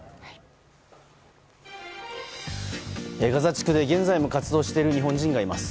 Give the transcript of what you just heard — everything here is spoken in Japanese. ガザ地区で現在も活動している日本人がいます。